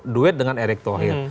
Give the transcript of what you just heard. duet dengan erek tohir